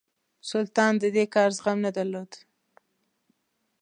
سلطان د دې کار زغم نه درلود.